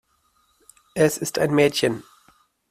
Es ist ein Mädchen.